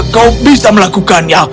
kau bisa melakukannya